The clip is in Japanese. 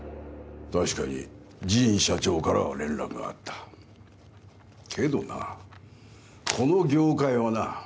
確かに神社長からは連絡があったけどなこの業界はな